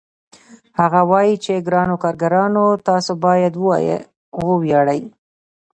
هغه وايي چې ګرانو کارګرانو تاسو باید وویاړئ